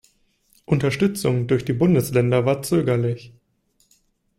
Unterstützung durch die Bundesländer war zögerlich.